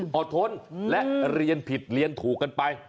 อดทนและเรียนผิดเรียนถูกกันไป